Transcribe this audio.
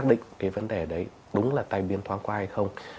định cái vấn đề đấy đúng là tai biến thoáng qua hay không